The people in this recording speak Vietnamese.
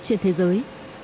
trên thế giới